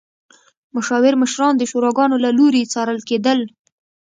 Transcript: مشاور مشران د شوراګانو له لوري څارل کېدل.